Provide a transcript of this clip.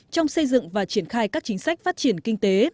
trong xây dựng và triển khai các chính sách phát triển kinh tế